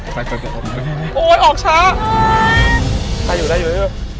ใช่ป่ะไปไปไปโอ้ยออกช้าได้อยู่ได้อยู่